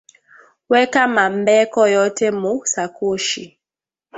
Weka ma mbeko yote mu sakoshi